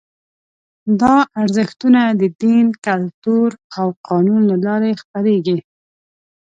دا ارزښتونه د دین، کلتور او قانون له لارې خپرېږي.